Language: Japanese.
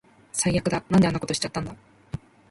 最悪だ。なんであんなことしちゃったんだ